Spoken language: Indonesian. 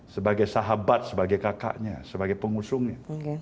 sebagai sahabat sebagai kakaknya sebagai pengusungnya